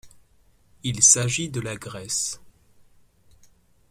Il s’agit de la Grèce.